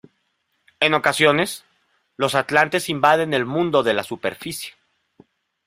En ocasiones, los atlantes invaden el mundo de la superficie.